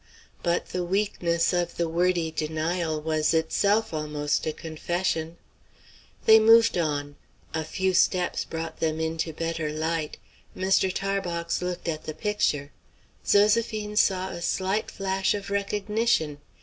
But the weakness of the wordy denial was itself almost a confession. They moved on. A few steps brought them into better light. Mr. Tarbox looked at the picture. Zoséphine saw a slight flash of recognition.